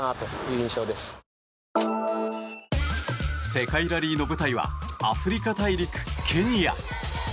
世界ラリーの舞台はアフリカ大陸、ケニア。